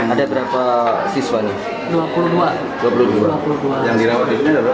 ada berapa siswa ini dua puluh dua yang dirawat ini berapa